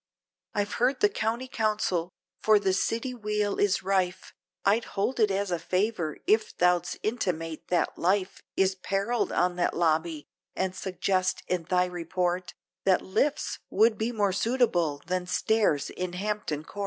I've heard the County Council, for the City weal is rife, I'd hold it as a favor, if thou'ds't intimate that life Is perilled on that lobby, and suggest in thy report, That lifts would be more suitable, than stairs in Hampton Court.